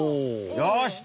よし！